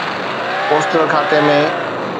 postal کاتي ۾